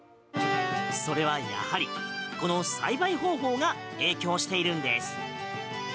それはやはり、この栽培方法が影響しているんです。